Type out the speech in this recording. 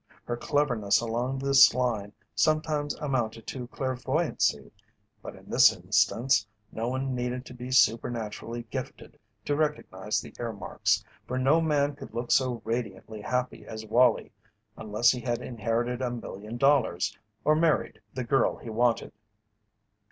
Her cleverness along this line sometimes amounted to clairvoyancy, but, in this instance, no one needed to be supernaturally gifted to recognize the earmarks, for no man could look so radiantly happy as Wallie unless he had inherited a million dollars or married the girl he wanted.